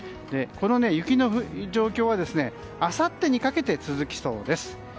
この雪の状況はあさってにかけて続きそうです。